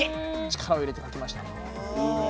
力を入れて描きました。